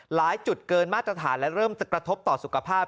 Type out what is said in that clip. จุดเกินมาตรฐานและเริ่มจะกระทบต่อสุขภาพ